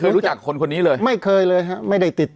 เพราะฉะนั้นประชาธิปไตยเนี่ยคือการยอมรับความเห็นที่แตกต่าง